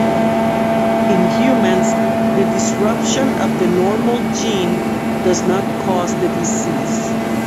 In humans the disruption of the normal gene does not cause the disease.